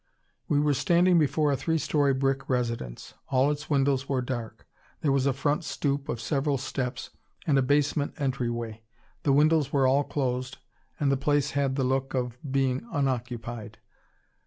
We were standing before a three story brick residence. All its windows were dark. There was a front stoop of several steps, and a basement entryway. The windows were all closed, and the place had the look of being unoccupied.